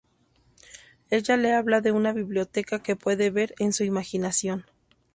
Ella le habla de una biblioteca que puede ver en su imaginación.